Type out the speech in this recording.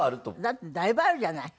だってだいぶあるじゃない。